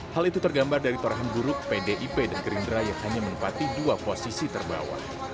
hal itu tergambar dari torahan buruk pdip dan gerindra yang hanya menempati dua posisi terbawah